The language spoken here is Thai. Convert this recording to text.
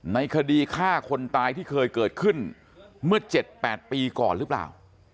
ในคดีฆ่าคนตายที่เคยเกิดขึ้นเมื่อ๗๘ปีก่อนหรือเปล่า